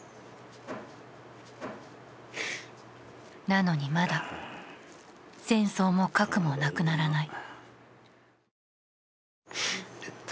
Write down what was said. なのにまだ、戦争も核もなくならない。